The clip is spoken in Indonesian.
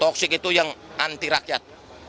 toksik itu yang anti rakyat